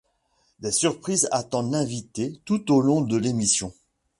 Des surprises attendent l'invité tout au long de l'émission.